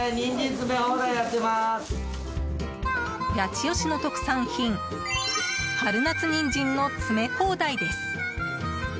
八千代市の特産品春夏にんじんの詰め放題です。